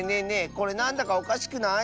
これなんだかおかしくない？